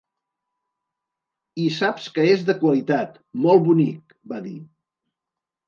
"I saps que és de qualitat." "Molt bonic", va dir.